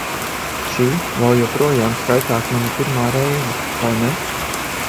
Šī vēl joprojām skaitās mana pirmā reize, vai ne?